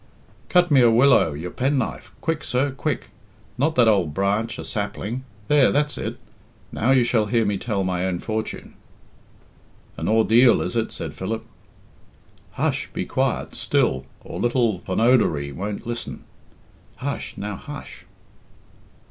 "Cut me a willow! Your penknife! Quick, sir, quick! Not that old branch a sapling. There, that's it. Now you shall hear me tell my own fortune." "An ordeal is it?" said Philip. "Hush! Be quiet, still, or little Phonodoree wont listen. Hush, now hush!"